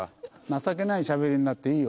情けないしゃべりになっていいよ。